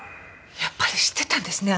やっぱり知ってたんですね